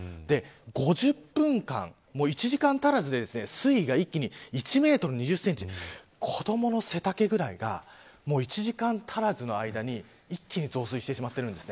５０分間、１時間足らずで水位が一気に１メートル２０センチ子どもの背丈ぐらいが１時間足らずの間に一気に増水してしまっているんです。